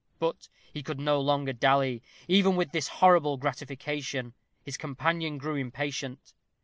But he could no longer dally, even with this horrible gratification. His companion grew impatient.